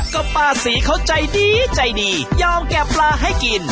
ก็ป้าศรีเขาใจดีใจดียอมแกะปลาให้กิน